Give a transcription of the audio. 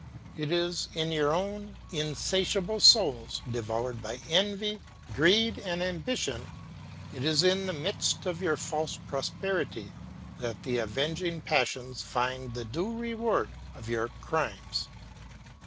It is in your own insatiable souls, devoured by envy, greed, and ambition, it is in the midst of your false prosperity, that the avenging passions find the due reward of your crimes.